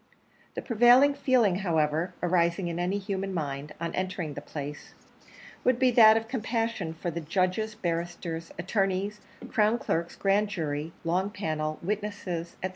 The prevailing feeling, however, arising in any human mind, on entering the place, would be that of compassion for the judges, barristers, attorneys, crown clerks, grand jury, long panel, witnesses, &c.